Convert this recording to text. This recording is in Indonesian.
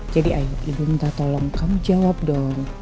jadi ayo ibu minta tolong kamu jawab dong